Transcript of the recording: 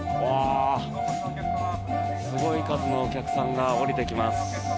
すごい数のお客さんが降りてきます。